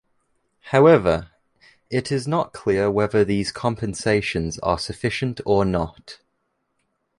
However, it is not clear whether these compensations are sufficient or not.